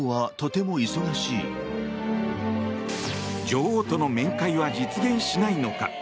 女王との面会は実現しないのか。